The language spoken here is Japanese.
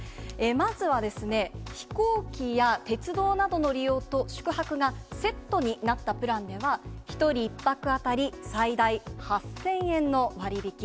まずは飛行機や鉄道などの利用と宿泊がセットになったプランでは、１人１泊当たり最大８０００円の割引。